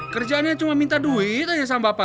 kerjaannya cuma minta duit aja sama bapak